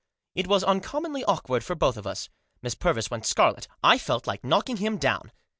It was uncommonly awkward for both of us. Miss Purvis went scarlet. I felt like knock ing him down.